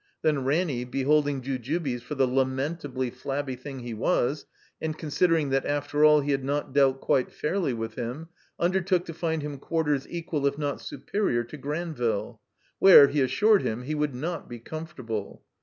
Then Ranny, beholding Jujubes for the lamentably flabby thing he was, and considering that after all he had not dealt quite fairly with him, undertook to 190 THE COMBINED MAZE find him qtiarters equal if not superior to Granvillq; where, he assured him, he would not be comfortable.